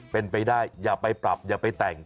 เป็นไปได้อย่าไปปรับอย่าไปแต่ง